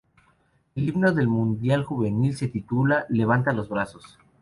El himno del mundial juvenil se titula "Levanta los brazos".